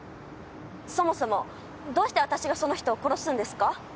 そもそもどうして私がその人を殺すんですか？